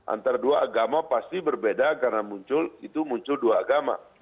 antara dua agama pasti berbeda karena muncul itu muncul dua agama